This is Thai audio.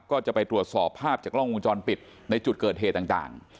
ก็จะไปตรวจสอบภาพจากกล้องวงจรปิดในจุดเกิดเหตุต่าง